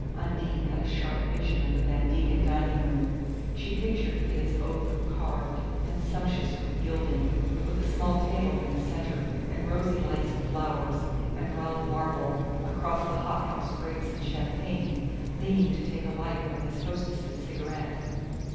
Undine had a sharp vision of the Van Degen dining room she pictured it as oak carved and sumptuous with gilding with a small table in the centre, and rosy lights and flowers, and Ralph Marvell, across the hot house grapes and champagne, leaning to take a light from his hostess's cigarette.